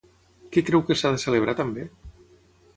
Què creu que s'ha de celebrar també?